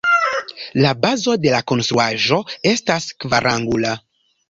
La bazo de la konstruaĵo estas kvarangula.